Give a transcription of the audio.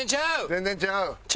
全然ちゃう！